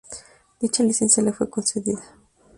Dicha licencia le fue concedida.